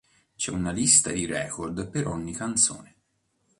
C'è una lista di record per ogni canzone.